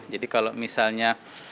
jadi kalau misalnya